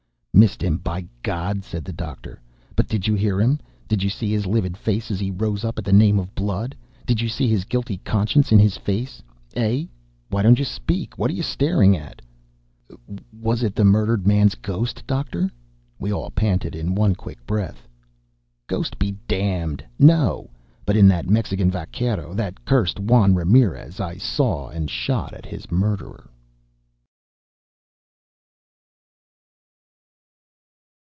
"Missed him! by G d!" said the Doctor. "But did you hear him? Did you see his livid face as he rose up at the name of blood? Did you see his guilty conscience in his face. Eh? Why don't you speak? What are you staring at?" "Was it the murdered man's ghost, Doctor?" we all panted in one quick breath. "Ghost be d d! No! But in that Mexican vaquero that cursed Juan Ramirez! I saw and shot at his murderer!"